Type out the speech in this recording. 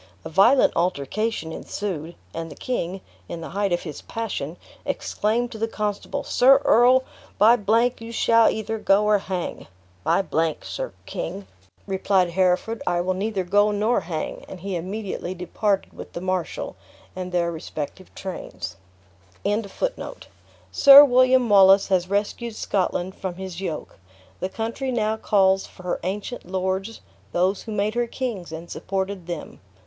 A violent altercation ensued; and the king, in the height of his passion, exclaimed to the constable, "Sir Earl, by G , you shall either go or hang." "By G , Sir King," replied Hereford, "I will neither go nor hang." And he immediately departed with the marshal and their respective trains. "Sir William Wallace has rescued Scotland from his yoke. The country now calls for her ancient lords those who made her kings, and supported them.